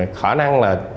khả năng là